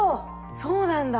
そうなんだ。